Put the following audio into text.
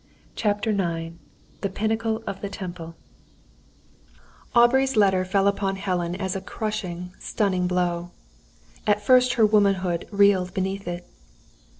CHAPTER IX THE PINNACLE OF THE TEMPLE Aubrey's letter fell upon Helen as a crushing, stunning blow. At first her womanhood reeled beneath it.